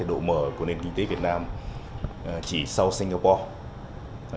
độ mở của nền kinh tế việt nam chỉ sau singapore